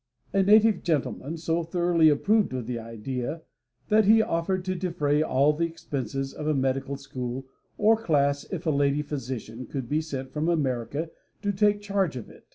A native gentleman so thoroughly approved of the idea that he offered to defray all the expenses of a medical school or class if a lady physician could be sent from America to take charge of it.